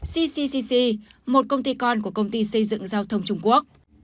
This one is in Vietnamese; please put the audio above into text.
cccc một công ty con của công ty xây dựng giao thông trung quốc